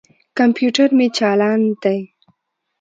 کمپیوټر مې چالاند دي.